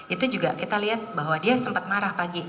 itu juga kita lihat bahwa dia sempat marah pagi